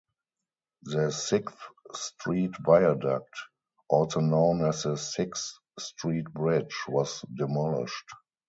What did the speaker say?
The Sixth Street Viaduct, also known as the Sixth Street Bridge was demolished.